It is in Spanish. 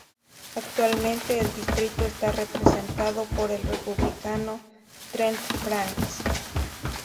Actualmente el distrito está representado por el Republicano Trent Franks.